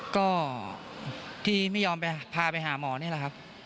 ก็ที่ไม่ยอมไปพาไปหาหมอนี่แหละครับ